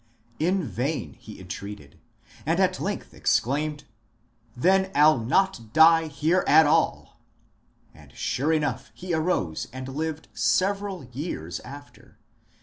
In vain he entreated, and at length ex claimed, " Then I 'U not die here at all I " And sure enough he arose and lived several years after.